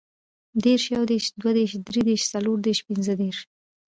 دېرس, یودېرس, دودېرس, درودېرس, څلوردېرس, پنځهدېرس